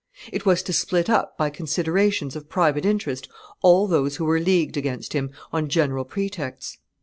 It was to split up by considerations of private interest all those who were leagued against him on general pretexts.